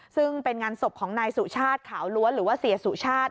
ซึ่งเป็นงานศพของนายสุชาติขาวล้วนหรือว่าเสียสุชาติ